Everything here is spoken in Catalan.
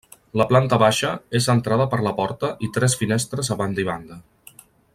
La planta baixa és centrada per la porta i tres finestres a banda i banda.